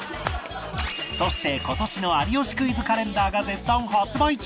そして今年の『有吉クイズ』カレンダーが絶賛発売中